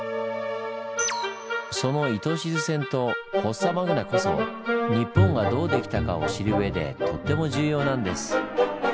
その糸静線とフォッサマグナこそ「日本」がどうできたかを知るうえでとっても重要なんです。